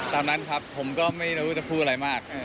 ตามนั้นครับผมก็ไม่รู้จะพูดอะไรมาก